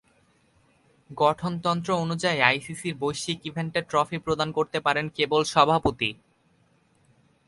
গঠনতন্ত্র অনুযায়ী আইসিসির বৈশ্বিক ইভেন্টে ট্রফি প্রদান করতে পারেন কেবল সভাপতি।